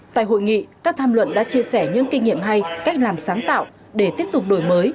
tại hội nghị các tham luận đã chia sẻ những kinh nghiệm hay cách làm sáng tạo để tiếp tục đổi mới